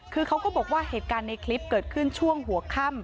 คือเขาก็บอกว่าเหตุการณ์ในคลิปเกิดขึ้นช่วงหัวค่ำ